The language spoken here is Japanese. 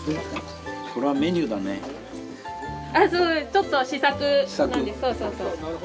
ちょっと試作なんですそうそう。